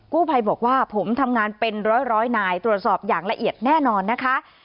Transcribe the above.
กู้ภัยบอกว่าผมทำงานเป็นร้อยนายตรวจสอบอย่างละเอียดแน่นอนนะคะ